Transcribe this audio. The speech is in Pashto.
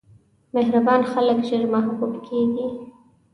مهربان خلک ژر محبوب کېږي.